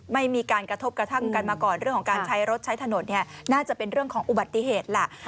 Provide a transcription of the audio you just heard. ไม่มีการกระทบกระทั่งกันมาก่อนเรื่องของการใช้รถใช้ถนนเนี่ยน่าจะเป็นเรื่องของอุบัติเหตุแหละ